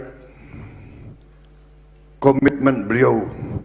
hai komitmen beliau